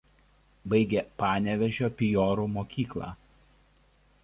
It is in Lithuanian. Baigė Panevėžio pijorų mokyklą.